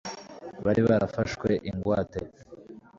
bari barafashweho ingwate